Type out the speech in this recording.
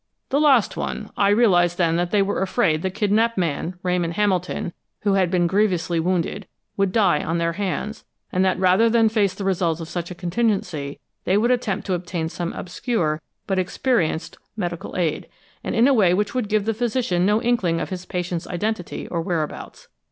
"The last one. I realized then that they were afraid the kidnaped man, Ramon Hamilton, who had been grievously wounded, would die on their hands, and that rather than face the results of such a contingency they would attempt to obtain some obscure but experienced medical aid, and in a way which would give the physician no inkling of his patient's identity or whereabouts.